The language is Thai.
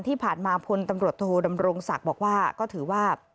ที่ผ่านมาพลตำรวจโทดำรงศักดิ์บอกว่าก็ถือว่า